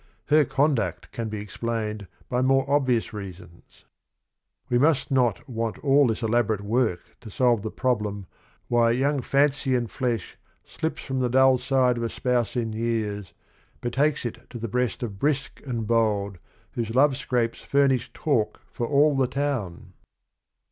Her conduct can be explained by more obvious reasons: f'We must not want all this elaborate work To solve the problem why young Fancy and flesh Slips from the dull side of a spouse in years, Betakes it to the breast of Brisk and bold Whose love scrapes furnish talk for all the town